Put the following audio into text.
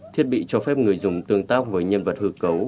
thiết bị cho phép người dùng tương tác với nhân vật hư cấu